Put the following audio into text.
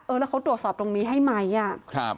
แล้วเขาตรวจสอบตรงนี้ให้ไหมอ่ะครับ